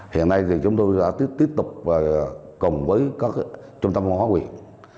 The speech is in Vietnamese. hiện nay thì chúng tôi đã tiếp tục cùng với các trung tâm văn hóa quyền